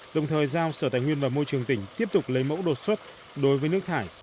đồng thời giao sở tài nguyên và môi trường tỉnh tiếp tục lấy mẫu đột xuất đối với nước thải